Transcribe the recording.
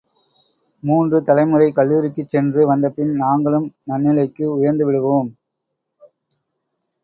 மூன்று தலைமுறை கல்லூரிக்குச் சென்று வந்தபின், நாங்களும் நன்னிலைக்கு உயர்ந்துவிடுவோம்.